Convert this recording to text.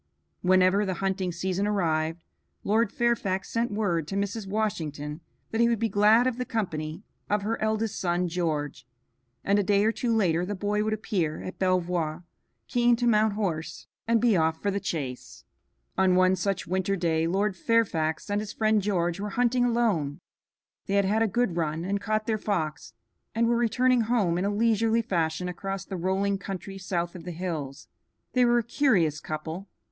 Whenever the hunting season arrived, Lord Fairfax sent word to Mrs. Washington that he would be glad of the company of her eldest son George, and a day or two later the boy would appear at Belvoir, keen to mount horse and be off for the chase. On one such winter day Lord Fairfax and his friend George were hunting alone. They had had a good run and caught their fox, and were returning home in a leisurely fashion across the rolling country south of the hills. They were a curious couple.